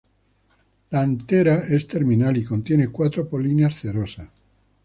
La antera es terminal, y contiene cuatro polinias cerosas.